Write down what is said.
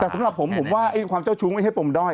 แต่สำหรับผมผมว่าความเจ้าชู้ไม่ใช่ปมด้อย